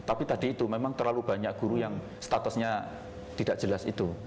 tapi tadi itu memang terlalu banyak guru yang statusnya tidak jelas itu